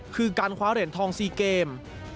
คือการคว้าเหรียญทอง๔เกม